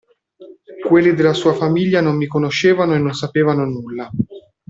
Quelli della sua famiglia non mi conoscevano e non sapevano nulla.